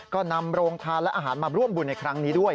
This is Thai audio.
ก็นำโรงทานและอาหารมาร่วมบุญในครั้งนี้ด้วย